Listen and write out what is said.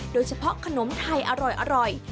โดยเฉพาะขนมไทยอร่อย